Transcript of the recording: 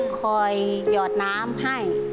คอยหยอดน้ำให้